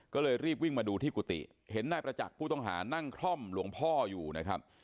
ก็เลยรีบวิ่งมาดูที่กุฏิเห็นนายประจักษ์ผู้ต้องหานั่งคล่อมหลวงพ่ออยู่นะครับ